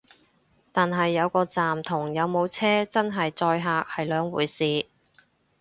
但係有個站同有冇車真係載客係兩回事